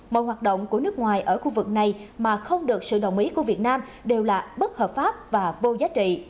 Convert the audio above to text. mọi hoạt động của nước ngoài ở khu vực này mà không được sự đồng ý của việt nam đều là bất hợp pháp và vô giá trị